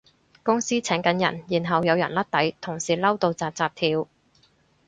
公司請緊人然後有人甩底，同事嬲到紮紮跳